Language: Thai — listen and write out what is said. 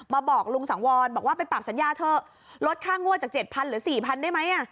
บอกลุงสังวรบอกว่าไปปรับสัญญาเถอะลดค่างวดจาก๗๐๐หรือ๔๐๐ได้ไหม